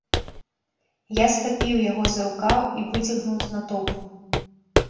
Я схапіў яго за рукаў і выцягнуў з натоўпу.